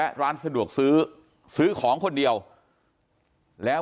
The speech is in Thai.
กลุ่มตัวเชียงใหม่